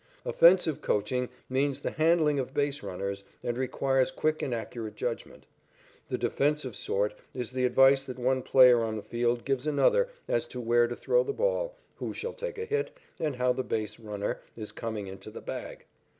Offensive coaching means the handling of base runners, and requires quick and accurate judgment. The defensive sort is the advice that one player on the field gives another as to where to throw the ball, who shall take a hit, and how the base runner is coming into the bag.